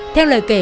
theo lời kể